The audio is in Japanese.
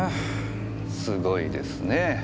すごいですねぇ。